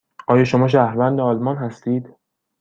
آیا شما شهروند آلمان هستید؟